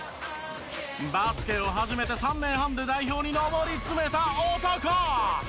バスケを始めて３年半で代表に上り詰めた男！